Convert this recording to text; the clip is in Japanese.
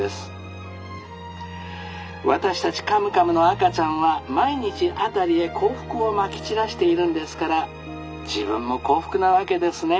私たちカムカムの赤ちゃんは毎日辺りへ幸福をまき散らしているんですから自分も幸福なわけですね。